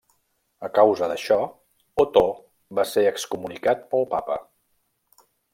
A causa d'això, Otó va ser excomunicat pel Papa.